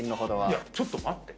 いやちょっと待って。